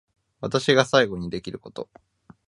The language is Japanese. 私が最後にできること